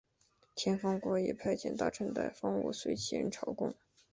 天方国也派遣大臣带方物随七人朝贡。